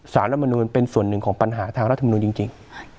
สารรัฐมนูลเป็นส่วนหนึ่งของปัญหาทางรัฐมนุนจริง